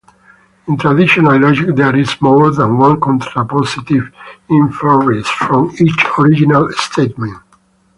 In traditional logic there is more than one contrapositive inferred from each original statement.